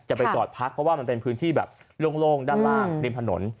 จะไปจอดพักเพราะว่ามันเป็นพื้นที่แบบโล่งด้านล่างริมถนน